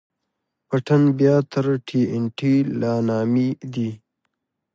پټن بيا تر ټي ان ټي لا نامي دي.